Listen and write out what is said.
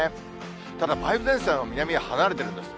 ただ、梅雨前線は南に離れてるんです。